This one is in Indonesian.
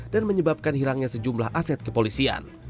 dan menyebabkan hilangnya sejumlah aset kepolisian